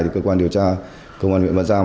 cơ quan cảnh sát điều tra công an huyện văn giang